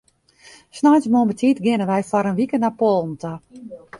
Sneintemoarn betiid geane wy foar in wike nei Poalen ta.